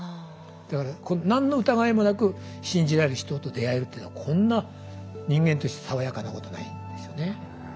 だから何の疑いもなく信じられる人と出会えるっていうのはこんな人間として爽やかなことないんですよね。